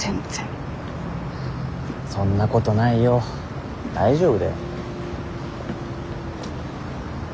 そんなことないよ大丈夫だよ。